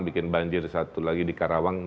bikin banjir satu lagi di karawang